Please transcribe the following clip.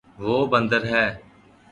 وہ بندر ہے